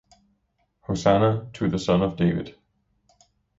Hosanna to the son of David.